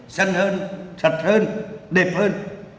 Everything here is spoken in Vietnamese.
xanh hơn sạch hơn đẹp hơn